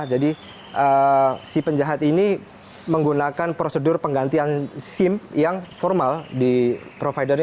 jadi si penjahat ini menggunakan prosedur penggantian sim yang formal di providernya